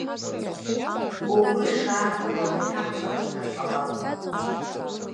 Угәы ишаанаго ҳҭамхаҵәҟьар ҟалап.